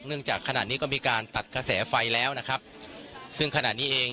เนื่องจากขนาดนี้ก็มีการตัดกระแสไฟแล้วนะครับซึ่งขนาดนี้เอง